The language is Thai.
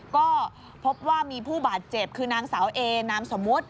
ก็พบว่ามีผู้บาดเจ็บคือนางสาวเอนามสมมุติ